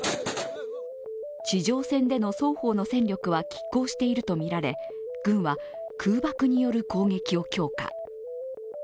地上戦での双方の戦力はきっ抗しているとみられ軍は空爆による攻撃を強化。